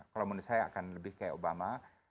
kalau menurut saya akan lebih kayak obama